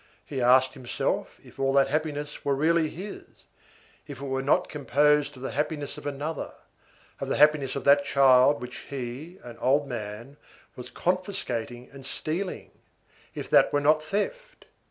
He asked himself if all that happiness were really his, if it were not composed of the happiness of another, of the happiness of that child which he, an old man, was confiscating and stealing; if that were not theft?